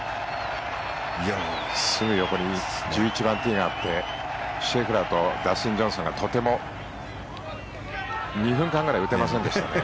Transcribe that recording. すぐ横に１１番ピンがあってシェフラーとダスティン・ジョンソンがとても２分間ぐらい打てませんでしたね。